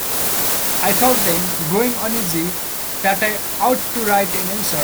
I thought then, growing uneasy, that I ought to write an answer.